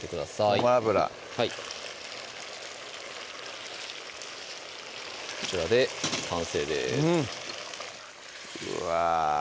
ごま油こちらで完成ですうんうわ